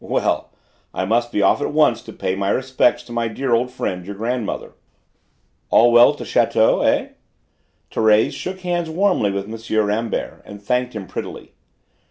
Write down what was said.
Well! I must be off at once to pay my respects to my dear old friend, your grandmother. All well at the château, eh?" Thérèse shook hands warmly with M. Rambert and thanked him prettily.